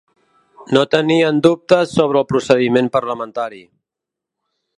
No tenien dubtes sobre el procediment parlamentari.